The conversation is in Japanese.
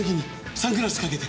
サングラスかけて。